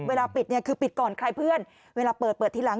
เวลาปิดคือปิดก่อนใครเพื่อนเวลาเปิดทีหลัง